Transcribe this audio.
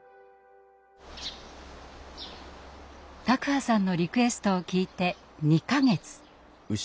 卓巴さんのリクエストを聞いて２か月。